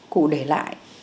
cụ để lại